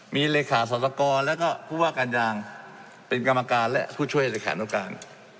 มีเลขาศาลกรและผู้ว่าการยางเป็นกรรมการและผู้ช่วยอาจารย์กรรมการ